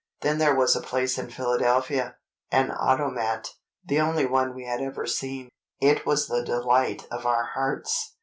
Then there was a place in Philadelphia—an automat—the only one we had ever seen. It was the delight of our hearts.